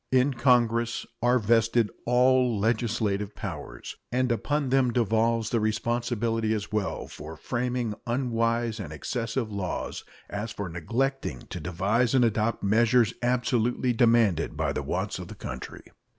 In Congress are vested all legislative powers, and upon them devolves the responsibility as well for framing unwise and excessive laws as for neglecting to devise and adopt measures absolutely demanded by the wants of the country.